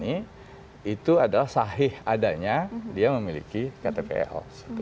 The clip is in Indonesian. itu adalah sahih adanya dia memiliki ktpl